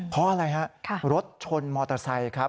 เพราะอะไรฮะรถชนมอเตอร์ไซค์ครับ